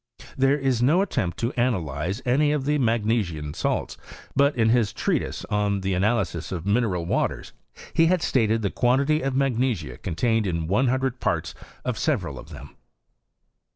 There is no attempt to analyze any of the magnesian salbi ; but, in his treatise on the analysis of mineral waters, he had stated the quantity of nmgncsia contained in one hundred parts of several of them.